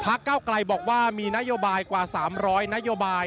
พระเก้าไกรบอกว่ามีนโยบายกว่าสามร้อยนโยบาย